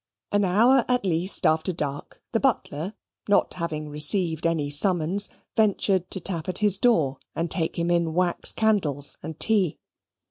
An hour at least after dark, the butler, not having received any summons, ventured to tap at his door and take him in wax candles and tea.